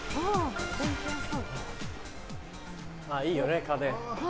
あっいいよね家電。